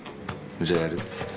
じゃあやる？